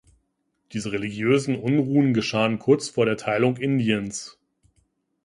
Diese religiösen Unruhen geschahen kurz vor der Teilung Indiens.